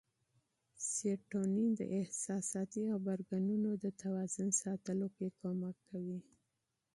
سېرټونین د احساساتي غبرګونونو د توازن ساتلو کې مرسته کوي.